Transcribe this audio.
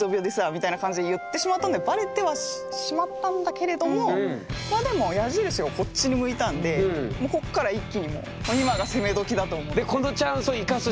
みたいな感じで言ってしまったのでバレてはしまったんだけれどもまあでも矢印がこっちに向いたんでこっから一気にもうこのチャンスを生かすしかない。